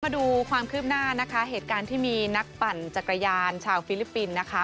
มาดูความคืบหน้านะคะเหตุการณ์ที่มีนักปั่นจักรยานชาวฟิลิปปินส์นะคะ